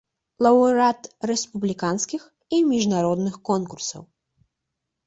Лаўрэат рэспубліканскіх і міжнародных конкурсаў.